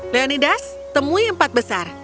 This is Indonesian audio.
leonidas temui empat besar